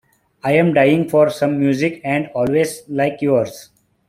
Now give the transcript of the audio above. I'm dying for some music, and always like yours.